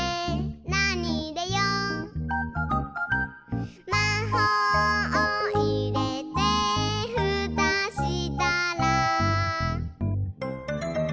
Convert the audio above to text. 「なにいれよう？」「まほうをいれてふたしたら」